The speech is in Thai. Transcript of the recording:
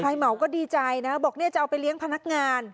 ใครเหมาก็ดีใจนะบอกจะเอาไปเลี้ยงพนักงาน